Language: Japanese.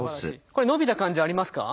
これ伸びた感じありますか？